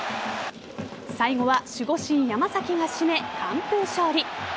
最後は守護神・山崎が絞め完封勝利。